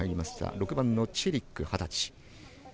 ６番のチェリック、二十歳。